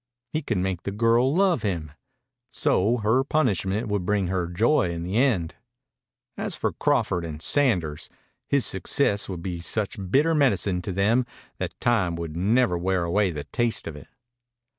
He could make the girl love him. So her punishment would bring her joy in the end. As for Crawford and Sanders, his success would be such bitter medicine to them that time would never wear away the taste of it.